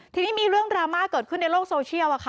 ทีนี้มีเรื่องดราม่าเกิดขึ้นในโลกโซเชียลค่ะ